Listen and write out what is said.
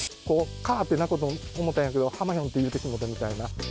かーって鳴くと思ったんやけど、はまよんって言ってしまったみたいな。